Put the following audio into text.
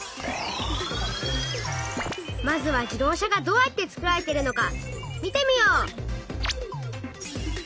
まずは自動車がどうやってつくられているのか見てみよう！